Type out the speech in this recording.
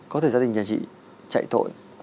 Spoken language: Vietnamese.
có thể gia đình nhà chị chạy tội